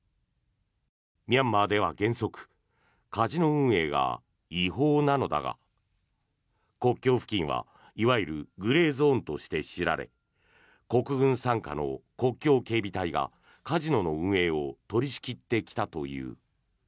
ミャンマーでは原則カジノ運営が違法なのだが国境付近はいわゆるグレーゾーンとして知られ国軍傘下の国境警備隊がカジノの運営を取り仕切ってきたという。